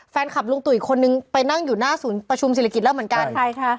แฟนคลับลุงตู่อีกคนนึงไปนั่งอยู่หน้าศูนย์ประชุมศิริกิจแล้วเหมือนกันใช่ค่ะ